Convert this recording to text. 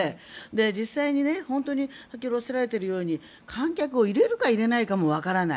実際に本当に先ほどおっしゃられているように観客を入れるか入れないかもわからない。